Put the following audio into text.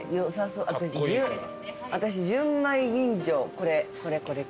私純米吟醸これ。